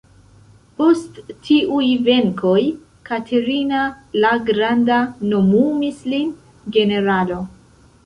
Post tiuj venkoj, Katerina la Granda nomumis lin generalo.